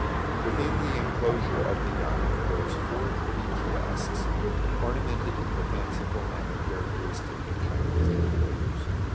Within the enclosure of the y amen rose four pretty kiosks, ornamented in the fanciful manner characteristic of Chinese decorators.